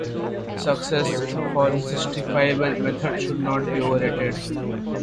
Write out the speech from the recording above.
The success of this justifiable method, should not be overrated.